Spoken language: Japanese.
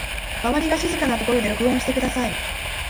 周りが静かなところで録音してください